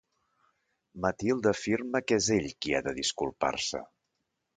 Matilde afirma que és ell qui ha de disculpar-se.